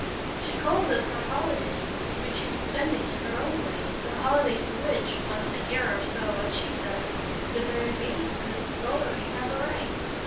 She calls it her holiday, which she's spending in her own way the holiday to which, once a year or so, as she says, the very maids in the scullery have a right.